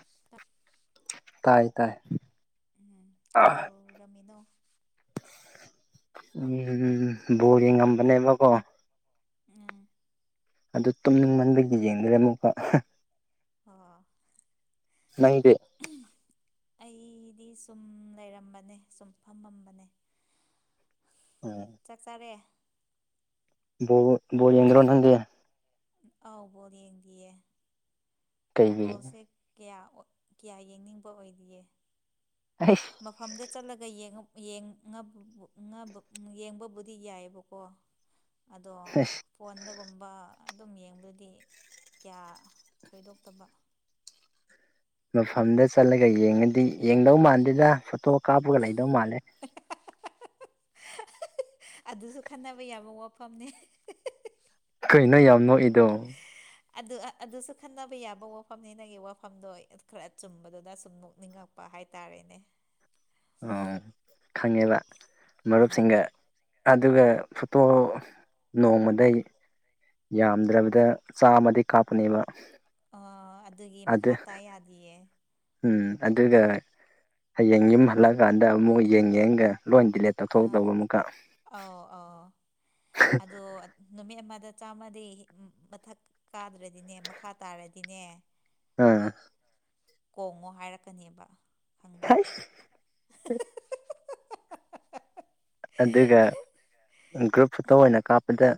[inaudible] ꯇꯞ [unintelligible] ꯇꯥꯢ ꯎꯝ ꯀꯩꯗꯧꯔꯝꯃꯤꯅꯣ ꯎꯝ ꯕꯣꯜ ꯌꯦꯡ ꯉꯝꯕꯅꯦꯕꯀꯣ ꯎꯝ ꯑꯗꯨ ꯇꯨꯝꯅꯤꯡꯃꯟꯕꯒꯤ ꯌꯦꯡꯗ꯭ꯔꯦ ꯑꯃꯨꯛꯀꯥ ꯍꯥꯍꯍꯥ [inaudible] ꯑꯍꯝ ꯑꯩꯗꯤ ꯁꯨꯝ ꯂꯩꯔꯝꯕꯅꯦ ꯁꯨꯝ ꯐꯝꯃꯝꯕꯅꯦ ꯎꯝ [inaudible] ꯆꯥꯛ ꯆꯥꯔꯦ ꯕꯣ ꯕꯣꯜ ꯌꯦꯡꯗ꯭ꯔꯣ ꯅꯪꯗꯤ ꯑꯥꯎ ꯕꯣꯜ ꯌꯦꯡꯗꯤꯌꯦ ꯀꯩꯒꯤ ꯕꯣꯜꯁꯦ ꯀ꯭ꯌꯥ ꯀ꯭ꯌꯥ ꯌꯦꯡꯅꯤꯡꯕ ꯑꯣꯏꯗꯤꯌꯦ [unintelligible] ꯃꯐꯝꯗ ꯆꯠꯂꯒ ꯌꯦꯡꯉ [unintelligible] ꯌꯦꯡꯕꯕꯨꯗꯤ ꯌꯥꯏꯌꯦꯕꯀꯣ ꯑꯗꯣ ꯑꯁ ꯐꯣꯟꯗꯒꯨꯝꯕ ꯑꯗꯨꯝ ꯌꯦꯡꯕꯗꯨꯗꯤ ꯀ꯭ꯌꯥ ꯊꯣꯏꯗꯣꯛꯇꯕ ꯃꯐꯝꯗ ꯆꯠꯂꯒ ꯌꯦꯡꯉꯗꯤ ꯌꯦꯡꯗꯧ ꯃꯥꯥꯟꯗꯦꯗ ꯐꯣꯇꯣ ꯀꯥꯞꯄꯒ ꯂꯩꯗꯧ ꯃꯥꯜꯂꯦ [unintelligible] ꯑꯗꯨꯁꯨ ꯈꯟꯅꯕ ꯌꯥꯕ ꯋꯥꯐꯝꯅꯤ ꯀꯩꯅꯣ ꯌꯥꯝ ꯅꯣꯛꯏꯗꯣ [unintelligible] ꯑꯗꯨ ꯑꯗꯨꯁꯨ ꯈꯟꯅꯕ ꯌꯥꯕ ꯋꯥꯐꯝꯅꯤ ꯅꯩꯒꯤ ꯋꯥꯐꯝꯗꯣ ꯈ꯭ꯔ ꯆꯨꯝꯕꯗꯨꯗ ꯁꯨꯝ ꯅꯣꯛꯅꯤꯡꯉꯛ ꯄꯥ ꯍꯥꯏꯇꯥꯔꯦꯅꯦ ꯑꯣ ꯈꯪꯉꯦꯕ ꯃꯔꯨꯞꯁꯤꯡꯒ ꯎꯝ ꯑꯗꯨꯒ ꯐꯣꯇꯣ ꯅꯣꯡꯃꯗꯩ ꯌꯥꯝꯗ꯭ꯔꯕꯗ ꯆꯥꯝꯃꯗꯤ ꯀꯥꯞꯄꯅꯦꯕ ꯑ ꯑꯗꯨꯒꯤ ꯑꯗꯨ ꯃꯈꯥ ꯇꯥ ꯌꯥꯗꯤꯌꯦ ꯎꯝ ꯑꯗꯨꯒ ꯍꯌꯦꯡ ꯌꯨꯝ ꯍꯜꯂꯛꯑꯒꯥꯟꯗ ꯑꯃꯨꯛ ꯌꯦꯡ ꯌꯦꯡꯒ ꯂꯣꯏ ꯗꯤꯂꯦꯠ ꯑꯥ ꯇꯧꯊꯣꯛꯇꯧꯕ ꯑꯃꯨꯛꯀ ꯑꯧ ꯑꯧ ꯑꯗꯣ ꯅꯨꯃꯤꯠ ꯑꯃꯗ ꯆꯥꯝꯃꯗꯤ [unintelligible] ꯃꯊꯛ ꯀꯥꯗ꯭ꯔꯗꯤꯅꯦ ꯃꯈꯥ ꯇꯥꯔꯗꯤꯅꯦ ꯑꯥ ꯀꯣꯡꯉꯣ ꯍꯥꯏꯔꯛꯀꯅꯦꯕ ꯈꯪꯕ꯭ꯔꯥ ꯍꯩꯁ ꯑꯗꯨꯒ ꯒ꯭ꯔꯨꯞ ꯐꯣꯇꯣ ꯑꯣꯏꯅ ꯀꯥꯞꯄꯗ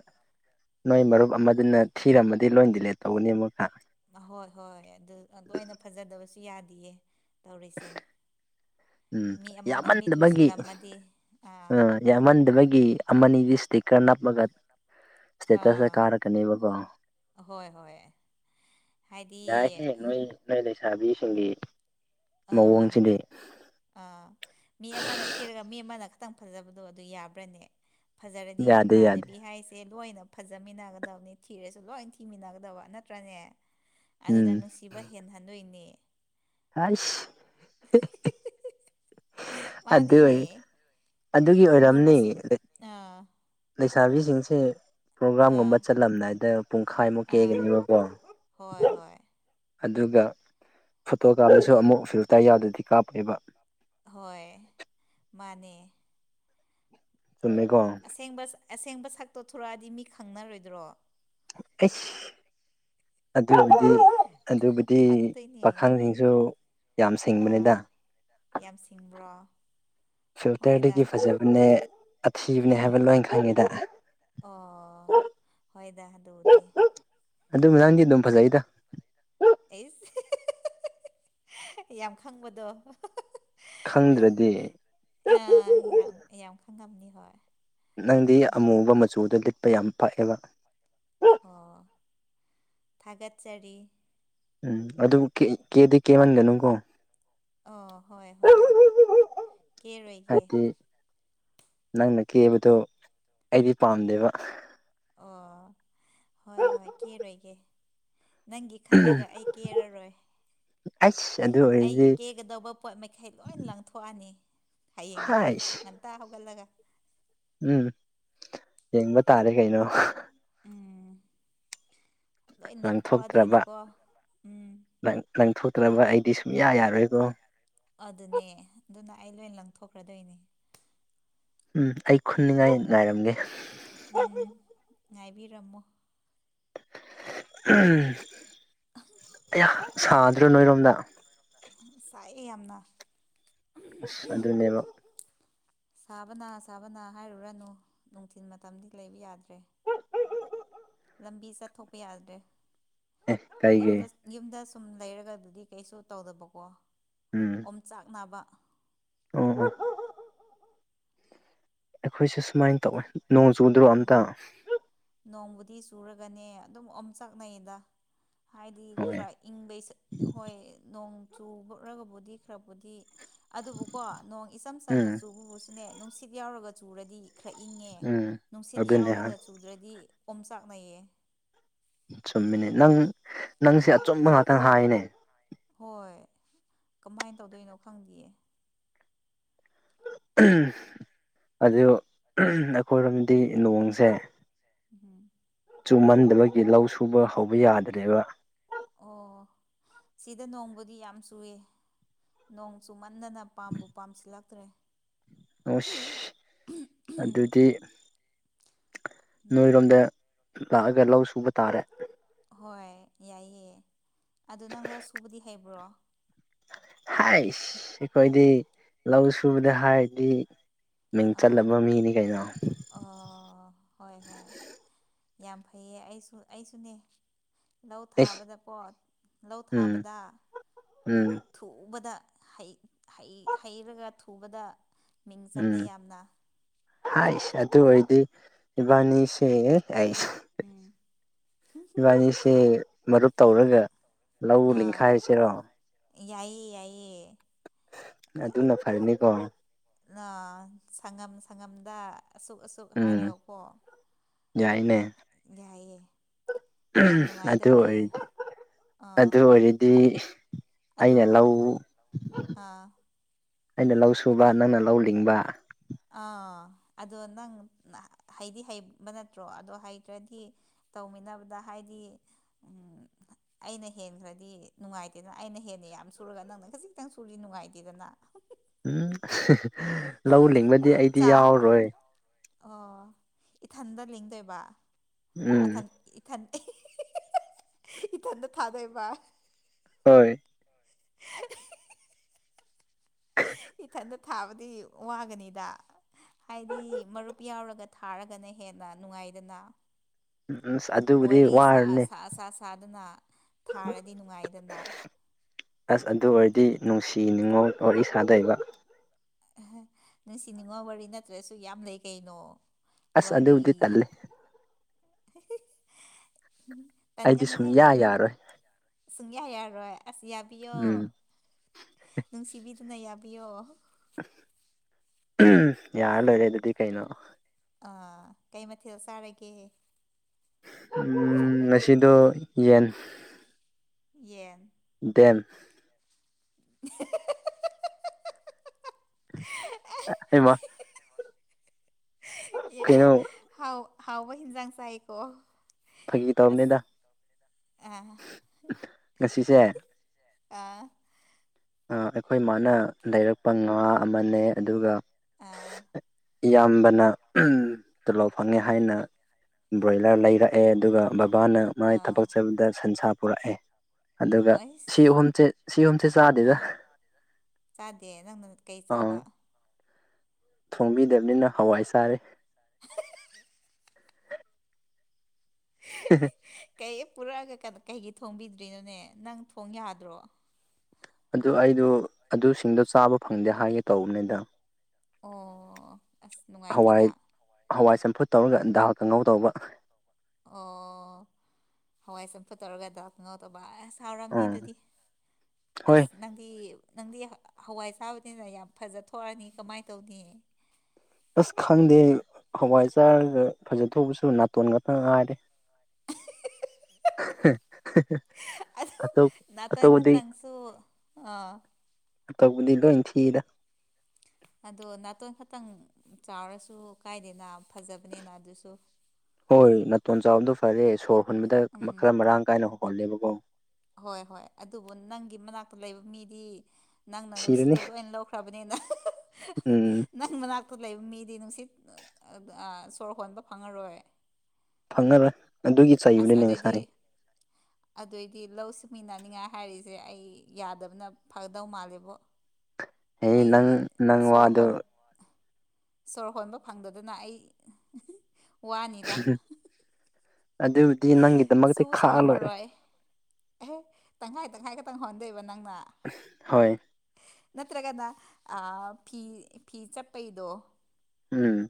ꯅꯣꯏ ꯃꯔꯨꯞ ꯑꯃꯗꯨꯅ ꯊꯤꯔꯝꯃꯗꯤ ꯂꯣꯏ ꯗꯤꯂꯦꯠ ꯇꯧꯒꯅꯤ ꯑꯃꯨꯛꯀ ꯑꯍꯣꯏ ꯍꯣꯏ ꯑꯗꯨ ꯑꯗꯨꯃꯥꯢꯅ ꯐꯖꯗꯕꯁꯨ ꯌꯥꯗꯤꯌꯦ ꯇꯧꯔꯤꯁꯦ ꯎꯝ ꯃꯤ ꯑꯃꯅ ꯃꯤꯠ ꯎꯏꯁꯤꯜꯂꯝꯃꯗꯤ ꯑꯥ ꯌꯥꯃꯟꯗꯕꯒꯤ ꯑꯃꯅꯤꯗꯤ ꯏꯁꯇꯤꯀꯔ ꯅꯞꯂꯒ ꯏꯁꯇꯦꯇꯁꯇ ꯑꯥ ꯀꯥꯔꯛꯀꯅꯦꯕꯀꯣ ꯍꯣꯏ ꯍꯣꯏ ꯍꯥꯏꯗꯤ ꯌꯥꯏꯍꯦ ꯅꯣꯏ ꯅꯣꯏ ꯂꯩꯁꯥꯕꯤꯁꯤꯡꯒꯤ ꯑꯥ ꯃꯑꯣꯡꯁꯤꯗꯤ ꯑꯥ ꯃꯤ ꯑꯃꯅ ꯊꯤꯔꯒ ꯃꯤ ꯑꯃꯅ ꯈꯠꯇꯪ ꯐꯖꯕꯗꯨ ꯑꯗꯨ ꯌꯥꯕ꯭ꯔꯅꯦ ꯐꯖꯔꯗꯤ ꯌꯥꯗꯦ ꯌꯥꯗꯦ ꯏꯃꯥꯟꯅꯕꯤ ꯍꯥꯏꯁꯤ ꯗꯤ ꯂꯣꯏꯅ ꯐꯖꯃꯤꯟꯅꯒꯗꯕꯅꯤ ꯊꯤꯔꯁꯨ ꯂꯣꯏꯟ ꯊꯤꯃꯤꯟꯅꯒꯗꯕ ꯅꯠꯇ꯭ꯔꯅꯦ ꯎꯝ ꯑꯗꯨꯅ ꯅꯨꯡꯁꯤꯕ ꯍꯦꯟꯍꯟꯗꯣꯏꯅꯦ ꯑꯥꯏꯁ [unintelligible] ꯑꯗꯨ ꯃꯥꯅꯦ ꯑꯣꯏ ꯑꯗꯨꯒꯤ ꯑꯣꯏꯔꯝꯅꯤ ꯃꯨꯔꯁꯨ ꯑꯥ ꯂꯩꯁꯥꯕꯤꯁꯤꯡꯁꯦ ꯑꯥ ꯄ꯭ꯔꯣꯒꯥ꯭ꯔꯥꯝꯒꯨꯝꯕ ꯆꯠꯂꯝꯗꯥꯏꯗ ꯄꯨꯡꯈꯥꯏꯃꯨꯛ ꯑꯥ ꯀꯦꯒꯅꯤꯕꯀꯣ ꯍꯣꯏ ꯍꯣꯏ ꯑꯗꯨꯒ ꯐꯣꯇꯣ ꯀꯥꯞꯄꯁꯨ ꯑꯃꯨꯛ ꯐꯤꯜꯇꯔ ꯌꯥꯎꯗ꯭ꯔꯗꯤ ꯀꯥꯞꯄꯣꯏꯕ ꯍꯣꯏ ꯃꯥꯅꯦ ꯆꯨꯝꯃꯦꯀꯣ ꯑꯁꯦꯡꯕ ꯑꯁꯦꯡꯕ ꯁꯛꯇꯣ ꯊꯣꯔꯛꯑꯗꯤ ꯃꯤ ꯈꯪꯅꯔꯣꯏꯗ꯭ꯔꯣ ꯑꯩꯁ ꯑꯗꯨꯕꯨꯗꯤ ꯑꯗꯨꯕꯨꯗꯤ ꯈꯪꯗꯣꯏꯅꯦ ꯄꯥꯈꯪꯁꯤꯡꯁꯨ ꯌꯥꯝ ꯑꯥ ꯁꯤꯡꯕꯅꯤꯗ ꯌꯥꯝ ꯁꯤꯡꯕ꯭ꯔꯣ ꯍꯣꯏꯗ ꯐꯤꯜꯇꯔꯗꯒꯤ ꯐꯖꯕꯅꯦ ꯑꯊꯤꯕꯅꯦ ꯍꯥꯏꯕ ꯑꯥ ꯂꯣꯏ ꯈꯪꯉꯦꯗ꯫ ꯑꯣ ꯍꯣꯏꯗ ꯑꯗꯨꯗꯤ꯫ ꯑꯗꯨ ꯅꯪꯗꯤ ꯑꯗꯨꯝ ꯐꯖꯩꯗ ꯉꯔꯥꯡꯗꯤ ꯑꯗꯨꯝ ꯐꯖꯩꯗ꯫ ꯑꯩꯁ ꯌꯥꯝ ꯈꯪꯕꯗꯣ꯫ ꯈꯪꯗ꯭ꯔꯗꯤ꯫ ꯑ ꯌꯥꯝ ꯌꯥꯝ ꯈꯪꯒꯝꯅꯤ ꯍꯣꯏ꯫ ꯅꯪꯗꯤ ꯎꯝ ꯑꯃꯨꯕ ꯃꯆꯨꯗꯣ ꯂꯤꯠꯄ ꯌꯥꯝ ꯐꯛꯑꯦꯕ꯫ ꯑꯣ ꯊꯒꯠꯆꯔꯤ꯫ ꯎꯝ ꯑꯗꯨꯕꯨ ꯀꯦꯗꯤ ꯀꯦꯃꯟꯒꯅꯨꯀꯣ꯫ ꯑꯣ ꯍꯣꯏ ꯍꯣꯏ ꯀꯦꯔꯣꯏꯒꯦ꯫ ꯍꯥꯏꯗꯤ ꯅꯪꯅ ꯀꯦꯕꯗꯨꯣ ꯑꯩꯗꯤ ꯄꯥꯝꯗꯦꯕ꯫ ꯑꯣ ꯍꯣꯏ ꯍꯣꯏ ꯀꯦꯔꯣꯏꯒꯦ꯫ ꯅꯪꯒꯤ ꯈꯜꯂꯒ ꯑꯩ ꯀꯦꯔꯔꯣꯏ꯫ ꯑꯩꯁ ꯑꯗꯨ ꯑꯩꯒꯤ ꯑꯣꯏꯔꯗꯤ ꯀꯦꯒꯗꯧꯕ ꯄꯣꯠ ꯃꯈꯩ ꯂꯣꯏ ꯂꯪꯊ ꯊꯣꯛꯑꯅꯤ ꯍꯌꯦꯡ ꯑꯌꯨꯛ ꯍꯥꯏꯁ ꯉꯟꯇꯥ ꯍꯧꯒꯠꯂꯒ꯫ ꯎꯝ ꯌꯦꯡꯕ ꯇꯥꯔꯦ ꯀꯩꯅꯣ꯫ ꯎꯝ ꯂꯣꯏ ꯂꯪꯊꯣꯛꯇ꯭ꯔꯕ ꯅꯪꯊꯣꯛꯑꯗꯣꯏꯅꯦꯀꯣ ꯎꯝ꯫ ꯂꯪꯊꯣꯛꯇ꯭ꯔꯕ ꯑꯩꯗꯤ ꯁꯨꯡꯌꯥ ꯌꯥꯔꯣꯏꯀꯣ꯫ ꯑꯗꯨꯅꯦ ꯑꯗꯨꯅ ꯑꯩ ꯂꯣꯏ ꯂꯪꯊꯣꯛꯈ꯭ꯔꯗꯣꯏꯅꯦ꯫ ꯎꯝ ꯑꯩ ꯈꯨꯟꯅꯤꯡꯉꯥꯏ ꯉꯥꯏꯔꯝꯒꯦ꯫ ꯎꯝ ꯉꯥꯏꯕꯤꯔꯝꯃꯣ꯫ ꯎꯝ ꯑꯩꯌ ꯁꯥꯗ꯭ꯔꯣ ꯅꯣꯏꯔꯣꯝꯗ꯫ ꯁꯥꯏꯑꯦ ꯌꯥꯝꯅ꯫ ꯑꯁ ꯑꯗꯨꯅꯦꯕ꯫ ꯁꯥꯕꯅ ꯁꯥꯕꯅ ꯍꯥꯏꯔꯨꯔꯅꯨ ꯅꯨꯡꯊꯤꯟ ꯃꯇꯝꯗꯤ ꯂꯩꯕ ꯌꯥꯗ꯭ꯔꯦ꯫ ꯂꯝꯕꯤ ꯆꯠꯊꯣꯛꯄ ꯌꯥꯗ꯭ꯔꯦ ꯑꯦ ꯀꯩꯒꯤ ꯌꯨꯝꯗ ꯌꯨꯝꯗ ꯁꯨꯝ ꯂꯩꯔꯒꯕꯨꯗꯤ ꯀꯩꯁꯨ ꯇꯧꯗꯕꯀꯣ ꯑꯣꯝ ꯆꯥꯛ ꯅꯥꯕ ꯎꯝ ꯎꯝ꯫ ꯑꯩꯈꯣꯏꯁꯦ ꯁꯨꯃꯥꯏꯅ ꯇꯧꯋꯦ ꯅꯣꯡ ꯆꯨꯗ꯭ꯔꯣ ꯑꯝꯇ꯫ ꯎꯝ ꯅꯣꯡꯕꯨꯗꯤ ꯆꯨꯔꯒꯅꯦ ꯑꯗꯨꯝ ꯑꯣꯝ ꯆꯛꯅꯩꯌꯦꯗ꯫ ꯍꯥꯏꯗꯤ ꯍꯣꯏ ꯈꯔ ꯏꯪꯕꯩ ꯍꯣꯏ ꯅꯣꯡ ꯆꯨꯕꯔꯒꯕꯨꯗꯤ ꯈꯔꯕꯨꯗꯤ ꯑꯗꯨꯕꯨꯀꯣ ꯅꯣꯡ ꯏꯆꯝ ꯆꯝꯅ ꯎꯝ ꯆꯨꯕꯕꯨ ꯁꯨꯅꯦ ꯅꯨꯡꯁꯤꯠ ꯌꯥꯎꯔꯒ ꯆꯨꯔꯗꯤ ꯈꯔꯛ ꯏꯪꯉꯦ꯫ ꯎꯝ꯫ ꯅꯨꯡꯁꯤꯠ ꯑꯗꯨꯅꯦ ꯍꯣꯏ ꯌꯥꯎꯔꯒ ꯆꯨꯗ꯭ꯔꯗꯤ ꯑꯣꯝꯆꯥꯛꯅꯩꯌꯦ꯫ ꯆꯨꯝꯃꯤꯅꯤ ꯅꯪ ꯅꯪꯁꯦ ꯎꯝ ꯑꯆꯨꯝꯕ ꯉꯥꯛꯇꯪ ꯍꯥꯏꯅꯦ꯫ ꯍꯣꯏ ꯀꯃꯥꯏꯅ ꯇꯧꯗꯣꯏꯅꯣ ꯈꯪꯗꯏꯌꯦ꯫ ꯑꯗꯨ ꯑꯩꯈꯣꯏꯔꯣꯝꯗꯤ ꯅꯣꯡꯁꯦ꯫ ꯎꯝ꯫ ꯆꯨꯝꯃꯟꯗꯕꯒꯤ ꯂꯧ ꯁꯨꯕ ꯍꯧꯕ ꯌꯥꯗ꯭ꯔꯦꯕ꯫ ꯑꯣ ꯁꯤꯗ ꯅꯣꯡꯕꯨꯗꯤ ꯌꯥꯝ ꯆꯨꯏꯦ꯫ ꯅꯣꯡ ꯆꯨꯃꯟꯗꯅ ꯄꯥꯝꯕꯨ ꯄꯥꯝꯁꯤꯜꯂꯛꯇ꯭ꯔꯦ꯫ ꯎꯁ ꯑꯗꯨꯗꯤ ꯎꯝ ꯅꯣꯏꯔꯣꯝꯗ꯫ ꯂꯥꯛꯑꯒ ꯂꯧ ꯁꯨꯕ ꯇꯥꯔꯦ꯫ ꯍꯣꯏ ꯌꯥꯏꯌꯦ ꯑꯗꯣ ꯅꯪ ꯂꯧ ꯁꯨꯕꯗꯤ ꯍꯩꯕ꯭ꯔꯣ ꯍꯥꯏꯁ ꯑꯩꯈꯣꯏꯗꯤ ꯂꯧ ꯁꯨꯕꯗ ꯍꯥꯏꯔꯗꯤ ꯃꯤꯡ ꯑꯥ ꯆꯠꯂꯕ ꯃꯤꯅꯤ ꯀꯩꯅꯣ ꯑꯣ ꯍꯣꯏ ꯍꯣꯏ ꯌꯥꯝ ꯐꯩꯌꯦ ꯑꯩꯁꯨ ꯑꯩꯁꯨꯅꯦ ꯂꯧ ꯑꯦꯁ ꯊꯥꯕꯗꯀꯣ ꯂꯧ ꯎꯝ ꯊꯥꯕꯗ ꯎꯝ ꯊꯨꯕꯗ ꯍꯩ ꯍꯩ ꯍꯩꯔꯒ ꯊꯨꯕꯗ ꯃꯤꯡ ꯆꯠꯂꯦ ꯎꯝ ꯌꯥꯝꯅ ꯍꯥꯏꯁ ꯑꯗꯨ ꯑꯣꯏꯔꯗꯤ ꯏꯕꯥꯅꯤꯁꯦ ꯑꯩꯁꯨ ꯏꯕꯥꯅꯤꯁꯦ ꯃꯔꯨꯞ ꯇꯧꯔꯒ ꯂꯧ ꯑꯥ ꯂꯤꯡꯈꯥꯏꯁꯤꯔꯣ ꯌꯥꯏꯌꯦ ꯌꯥꯏꯌꯦ ꯑꯗꯨꯅ ꯐꯥꯔꯅꯤ ꯀꯣ ꯂꯧ ꯁꯪꯉꯝ ꯁꯪꯉꯝꯗ ꯑꯁꯨꯛ ꯑꯁꯨꯛ ꯎꯝ ꯍꯥꯏꯔꯒꯀꯣ ꯌꯥꯏꯅꯦ ꯌꯥꯏꯌꯦ ꯌꯥꯝ ꯑꯗꯨ ꯅꯨꯡꯉꯥꯏꯗꯧꯔꯤꯌꯦ ꯑꯣꯏꯔꯗꯤ ꯑꯥ ꯑꯗꯨ ꯑꯣꯏꯔꯗꯤ ꯑꯗꯣ ꯑꯩꯅ ꯂꯧ ꯑꯥ ꯑꯩꯅ ꯂꯧ ꯁꯨꯕ ꯅꯪꯅ ꯂꯧ ꯂꯤꯡꯕ ꯑꯥ ꯑꯗꯣ ꯅꯪ ꯍꯩꯗꯤ ꯍꯩꯕ ꯅꯠꯇ꯭ꯔꯣ ꯑꯗꯣ ꯍꯩꯇ꯭ꯔꯗꯤ ꯇꯧꯃꯤꯟꯅꯕꯗ ꯍꯥꯏꯗꯤ ꯑ ꯑꯩꯅ ꯍꯦꯟꯈ꯭ꯔꯗꯤ ꯅꯨꯡꯉꯥꯏꯇꯦꯗꯅ ꯑꯩꯅ ꯍꯦꯟꯅ ꯌꯥꯝ ꯁꯨꯔꯒ ꯅꯪꯅ ꯈꯖꯤꯛꯇꯪ ꯁꯨꯔꯁꯤ ꯅꯨꯡꯉꯥꯏꯇꯦꯗꯅ ꯎꯝ ꯂꯧ ꯂꯤꯡꯕꯗꯤ ꯑꯩꯗꯤ ꯆꯥꯡ ꯌꯥꯎꯔꯔꯣꯏ ꯑꯣ ꯏꯊꯟꯗ ꯂꯤꯡꯗꯣꯏꯕ ꯎꯝ ꯑꯊꯟ ꯏꯊꯟ ꯏꯊꯟꯗ ꯊꯥꯗꯣꯏꯕ ꯍꯣꯏ ꯏꯊꯟꯗ ꯊꯥꯕꯗꯤ ꯋꯥꯒꯅꯤꯗ ꯍꯥꯏꯗꯤ ꯃꯔꯨꯞ ꯌꯥꯎꯔꯒ ꯊꯥꯔꯒꯅ ꯍꯦꯟꯅ ꯅꯨꯡꯉꯥꯏꯗꯅ ꯎꯝ ꯑꯁ ꯑꯗꯨꯕꯨꯗꯤ ꯋꯥꯔꯤ ꯁꯥ ꯋꯥꯔꯅꯤ ꯁꯥ ꯁꯥꯗꯅ ꯊꯥꯔꯗꯤ ꯅꯨꯡꯉꯥꯏꯗꯅ ꯑꯁ ꯑꯗꯨ ꯑꯣꯏꯔꯗꯤ ꯅꯨꯡꯁꯤ ꯅꯤꯡ ꯑꯣꯜ ꯋꯥꯔꯤ ꯁꯥꯗꯣꯏꯕ ꯑꯍꯥ ꯅꯨꯡꯁꯤ ꯅꯤꯡꯉꯣꯜ ꯋꯥꯔꯤ ꯅꯠꯇ꯭ꯔꯁꯨ ꯌꯥꯝ ꯂꯩ ꯀꯩꯅꯣ ꯑꯁ ꯋꯥꯔꯤ ꯑꯗꯨꯕꯨꯗꯤ ꯇꯜꯂꯦ ꯑꯩꯗꯤ ꯇꯟꯒꯅꯨꯍꯦ ꯁꯨꯡꯌꯥ ꯌꯥꯔꯣꯏ ꯁꯨꯡꯌꯥ ꯌꯥꯔꯣꯏ ꯑꯁ ꯌꯥꯕꯤꯌꯣ ꯎꯝ ꯅꯨꯡꯁꯤꯕꯤꯗꯨꯅ ꯌꯥꯕꯤꯌꯣ ꯌꯥꯔ ꯂꯣꯏꯔꯦ ꯑꯗꯨꯗꯤ ꯀꯩꯅꯣ ꯑꯥ ꯀꯩ ꯃꯊꯦꯜ ꯆꯥꯔꯒꯦ ꯎꯝ ꯉꯁꯤꯗꯣ ꯌꯦꯟ ꯌꯦꯟ ꯗꯦꯟ ꯎ [unintelligible] ꯍꯃꯥ ꯀꯩꯅꯣ ꯍꯥꯎ ꯍꯥꯎꯕ ꯍꯤꯟꯖꯥꯡ ꯆꯥꯏꯀꯣ ꯐꯥꯒꯤ ꯇꯧꯕꯅꯤꯗ ꯑꯁ ꯑꯥ ꯉꯁꯤꯁꯦ ꯑꯥ ꯑ ꯑꯩꯈꯣꯏ ꯃꯥꯅ ꯂꯩꯔꯛꯄ ꯉꯥ ꯑꯃꯅꯦ ꯑꯗꯨꯒ ꯑꯥ ꯏꯌꯥꯝꯕꯅ ꯇꯣꯂꯣꯞ ꯐꯪꯉꯦ ꯍꯥꯏꯅ ꯕ꯭ꯔꯣꯏꯂꯔ ꯂꯩꯔꯦ ꯑꯦ ꯑꯗꯨꯒ ꯕꯕꯥꯅ ꯃꯥꯥꯏ ꯑꯥ ꯊꯕꯛ ꯆꯠꯕꯗ ꯁꯟꯁꯥ ꯄꯨꯔꯛꯑꯦ ꯑꯗꯨꯒ ꯁꯤ ꯑꯩꯁ ꯑꯍꯨꯝꯁꯦ ꯁꯤ ꯑꯍꯨꯝꯁꯦ ꯆꯥꯗꯦꯗ ꯑꯥ ꯆꯥꯗꯦ ꯅꯪꯅ ꯀꯩ ꯆꯥꯕ ꯑꯥ ꯊꯣꯡꯕꯤꯗꯕꯅꯤꯅ ꯍꯋꯥꯏ ꯆꯥꯔꯦ [unintelligible] [unintelligible] [unintelligible] ꯀꯩ ꯄꯨꯔꯛꯑꯒ ꯀ ꯀꯩꯒꯤ ꯊꯣꯡꯕꯤꯗ꯭ꯔꯤꯅꯣꯅꯦ ꯅꯪ ꯊꯣꯡ ꯌꯥꯗ꯭ꯔꯣ ꯑꯗꯨ ꯑꯩꯗꯣ ꯑꯗꯨꯁꯤꯡꯗꯣ ꯆꯥꯕ ꯐꯪꯗꯦ ꯍꯥꯏꯒꯦ ꯇꯧꯕꯅꯤꯗ ꯑꯣ ꯑꯁ ꯍꯋꯥꯏ ꯅꯨꯡꯉꯥꯏꯇꯦꯗ ꯍꯋꯥꯏ ꯆꯝꯐꯨꯠ ꯇꯧꯔꯒ ꯗꯥꯜ ꯀꯥꯡꯉꯧ ꯇꯧꯕ ꯑꯣ ꯍꯋꯥꯏ ꯆꯝꯐꯨꯠ ꯇꯧꯔꯒ ꯗꯥꯜ ꯀꯥꯉꯧ ꯇꯧꯕ ꯑꯦꯁ ꯍꯥꯎꯔꯝꯅꯤ ꯎꯝ ꯑꯗꯨꯗꯤ ꯍꯣꯏ ꯑꯁ ꯅꯪꯗꯤ ꯅꯪꯗꯤ ꯍꯋꯥꯏ ꯆꯥꯕꯅꯤꯅ ꯌꯥꯝ ꯐꯖ ꯊꯣꯛꯑꯅꯤ ꯀꯃꯥꯏ ꯇꯧꯅꯤ ꯑꯁ ꯈꯪꯗꯦ ꯍꯋꯥꯏ ꯆꯥꯔꯒ ꯐꯖꯊꯧꯕꯁꯨ ꯅꯥꯇꯣꯟ ꯉꯥꯛꯇ ꯉꯥꯏꯔꯦ [unintelligible] ꯑꯗꯨ ꯑꯇꯨ ꯅꯥꯇꯟ ꯑꯇꯨꯕꯨꯗꯤ ꯈꯛꯇꯪꯁꯨ ꯑꯥ ꯇꯧꯕꯨꯗꯤ ꯂꯣꯏ ꯊꯤꯗ ꯑꯗꯣ ꯅꯥꯇꯣꯟ ꯈꯛꯇꯪ ꯆꯥꯎꯔꯁꯨ ꯀꯥꯏꯗꯦꯅ ꯐꯖꯕꯅꯤꯅ ꯑꯗꯨꯁꯨ ꯍꯣꯏ ꯅꯥꯇꯣꯟ ꯆꯥꯎꯕꯗꯣ ꯐꯔꯦ ꯁꯣꯔ ꯍꯣꯟꯕꯗ ꯎꯝ ꯈꯔ ꯃꯔꯥꯡ ꯀꯥꯏꯅ ꯍꯣꯜꯂꯦꯕꯀꯣ ꯍꯣꯏ ꯍꯣꯏ ꯑꯗꯨꯕꯨ ꯅꯪꯒꯤ ꯃꯅꯥꯛꯇ ꯂꯩꯕ ꯃꯤꯗꯤ ꯅꯪꯅ ꯁꯤꯔꯅꯤ ꯅꯨꯡꯁꯤꯠꯇꯣ ꯂꯣꯏꯅ ꯂꯧ ꯈ꯭ꯔꯕꯅꯤꯅ ꯎꯝ ꯅꯪ ꯃꯅꯥꯛꯇ ꯂꯩꯕ ꯃꯤꯗꯤ ꯅꯨꯡꯁꯤꯠ ꯁꯣꯔ ꯍꯣꯟꯕ ꯐꯪꯉꯔꯣꯏ ꯐꯪꯉꯔꯣꯏ ꯑꯗꯨꯒꯤ ꯑꯁ ꯆꯩꯕꯅꯤꯅꯦ ꯑꯗꯩꯗꯤ ꯉꯁꯥꯏ ꯑꯗꯨꯑꯣꯏꯗꯤ ꯂꯧ ꯁꯨꯃꯤꯟꯅꯅꯤꯡꯉꯥꯏ ꯍꯥꯏꯔꯤꯁꯦ ꯑꯩ ꯌꯥꯗꯕꯅ ꯐꯒꯗꯧ ꯃꯥꯜꯂꯦꯕꯣ ꯑꯦ ꯑꯩ ꯅꯪ ꯅꯪ ꯁꯣꯔ ꯋꯥꯗꯣ ꯍꯣꯟ ꯁꯣꯔ ꯍꯣꯟꯕ ꯐꯪꯗꯗꯅ ꯑꯩ ꯋꯥꯅꯤꯗꯥ ꯑꯗꯨꯕꯨꯗꯤ ꯅꯪꯒꯤꯗꯃꯛꯇ ꯁꯨꯁꯨ ꯈꯥꯛꯑ ꯂꯣꯏꯔꯦ ꯉꯝꯃꯔꯣꯏ ꯑꯦꯍꯦ ꯇꯪꯈꯥꯏ ꯇꯪꯈꯥꯏ ꯈꯛꯇꯪ ꯍꯣꯟꯗꯣꯏꯕ ꯅꯪꯅ ꯍꯣꯏ ꯅꯠꯇ꯭ꯔꯒꯅ ꯑꯥ ꯐꯤ ꯐꯤ ꯆꯞꯄꯩꯗꯣ ꯎꯝ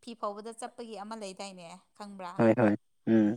ꯐꯤ ꯐꯧꯕꯗ ꯆꯞꯄꯒꯤ ꯑꯃ ꯂꯩꯗꯥꯏꯅꯦ ꯈꯪꯕ꯭ꯔꯥ ꯍꯣꯏ ꯍꯣꯏ ꯎꯝ